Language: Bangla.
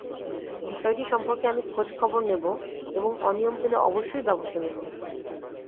বিষয়টি সম্পর্কে আমি খোঁজখবর নেব এবং অনিয়ম পেলে অবশ্যই ব্যবস্থা নেব।